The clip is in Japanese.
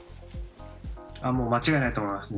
間違いないと思います。